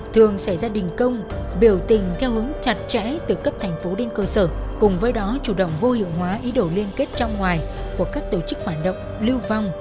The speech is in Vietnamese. thường xảy ra đình công biểu tình theo hướng chặt chẽ từ cấp thành phố đến cơ sở cùng với đó chủ động vô hiệu hóa ý đồ liên kết trong ngoài của các tổ chức phản động lưu vong